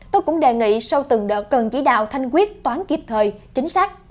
tôi cũng đề nghị sau từng đợt cần chỉ đạo thanh quyết toán kịp thời chính xác